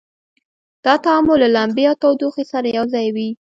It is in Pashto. دا تعامل له لمبې او تودوخې سره یو ځای وي.